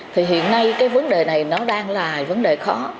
thì hiện nay cái vấn đề này nó đang là vấn đề khó